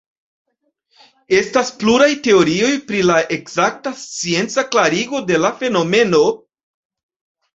Estas pluraj teorioj pri la ekzakta scienca klarigo de la fenomeno.